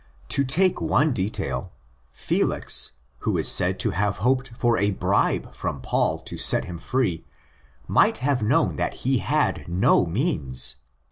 To take one detail, Felix, who is said to have hoped for a bribe from Paul to set him free, might have known that he had no means.